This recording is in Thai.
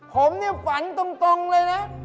ผมฝันตรงเลยนะ